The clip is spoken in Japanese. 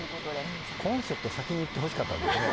コンセプトを先に言ってほしかったですね。